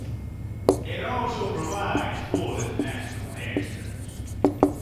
It also provides full international air service.